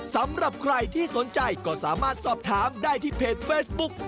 สำหรับใครที่สนใจก็สามารถสอบถามได้ที่เพจเฟซบุ๊ก